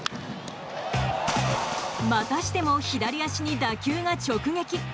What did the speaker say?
またしても左足に打球が直撃。